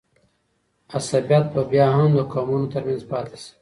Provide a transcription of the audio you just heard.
عصبیت به بیا هم د قومونو ترمنځ پاته سي.